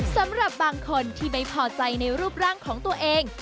สำหรับบางคนที่ไม่พอใจในรูปร่างของตัวเอง